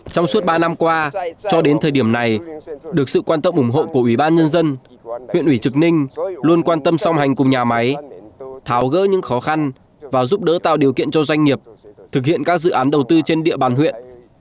trong suốt ba năm qua cho đến thời điểm này được sự quan tâm ủng hộ của ủy ban nhân dân huyện ủy trực ninh luôn quan tâm song hành cùng nhà máy tháo gỡ những khó khăn và giúp đỡ tạo điều kiện cho doanh nghiệp thực hiện các dự án đầu tư trên địa bàn huyện